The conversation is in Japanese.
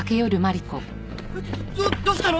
どどうしたの！？